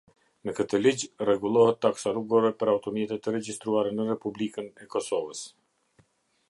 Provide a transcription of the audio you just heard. Me këtë ligj rregullohet taksa rrugore për automjete të regjistruara në Republikën e Kosovës.